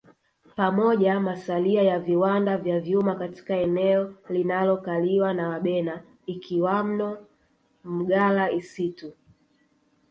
Pamoja masalia ya viwanda vya chuma katika eneo linalokaliwa na Wabena ikiwamno Mgala Isitu